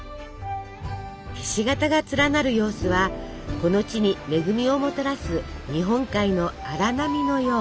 ひし形が連なる様子はこの地に恵みをもたらす日本海の荒波のよう。